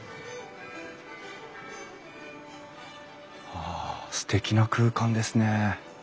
わあすてきな空間ですね。